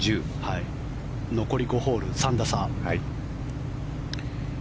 残り５ホール、３打差。